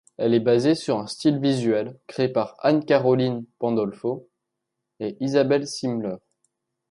Elle est basée sur un style visuel créé par Anne-Caroline Pandolfo et Isabelle Simler.